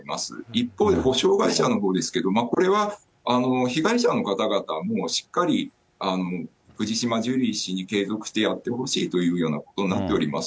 一方で補償会社のほうですけれども、これは被害者の方々もしっかり藤島ジュリー氏に継続してやってほしいというようなことになっております。